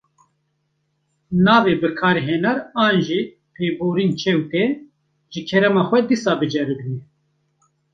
Navê bikarhêner an jî pêborîn çewt e, ji kerema xwe dîsa biceribîne.